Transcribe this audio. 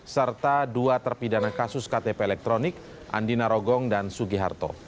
serta dua terpidana kasus ktp elektronik andina rogong dan sugi harto